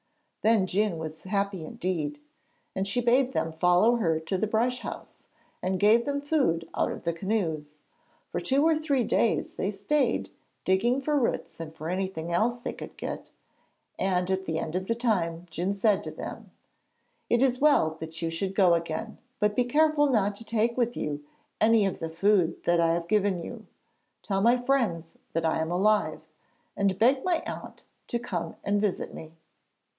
Then Djun was happy indeed, and she bade them follow her to the brush house, and gave them food out of the canoes; for two or three days they stayed, digging for roots and for anything else they could get, and at the end of the time Djun said to them: 'It is well that you should go again, but be careful not to take with you any of the food that I have given you. Tell my friends that I am alive, and beg my aunt to come and visit me.'